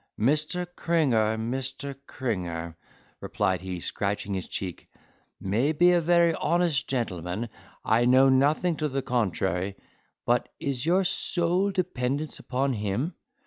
"Mr. Cringer, Mr. Cringer," replied he, scratching his cheek, "may be a very honest gentleman—I know nothing to the contrary; but is your sole dependence upon him?